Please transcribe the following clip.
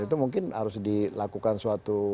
itu mungkin harus dilakukan suatu